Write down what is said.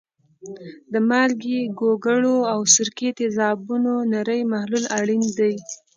د مالګې، ګوګړو او سرکې تیزابونو نری محلولونه اړین دي.